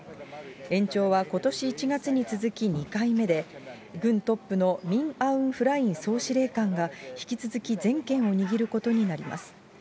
延長はことし１月に続き２回目で、軍トップのミン・アウン・フライン総司令官が、引き続き全権を握ることになります。